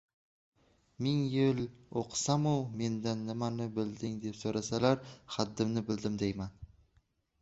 • Ming yil o‘qisamu, mendan «nimani bilding», deb so‘rasalar, «haddimni bildim» deyman.